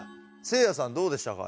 せいやさんどうでしたか？